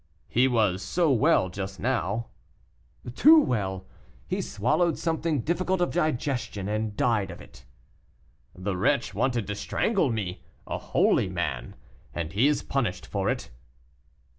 "He was so well just now." "Too well; he swallowed something difficult of digestion, and died of it." "The wretch wanted to strangle me, a holy man, and he is punished for it."